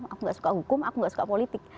aku gak suka hukum aku gak suka politik